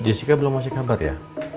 ma jessica belum masih kabar ya